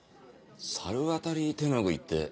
「猿渡手ぬぐい」って。